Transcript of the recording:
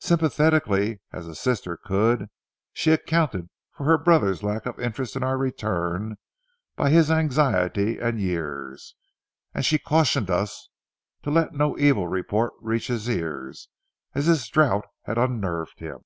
Sympathetically as a sister could, she accounted for her brother's lack of interest in our return by his anxiety and years, and she cautioned us to let no evil report reach his ears, as this drouth had unnerved him.